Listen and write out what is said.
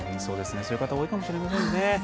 そういう方多いかもしれませんね。